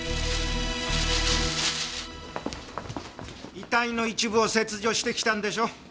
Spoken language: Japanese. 遺体の一部を切除してきたんでしょ？